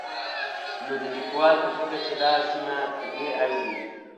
نو د ليکوال په فکر چې دا سيمه په دې ارځي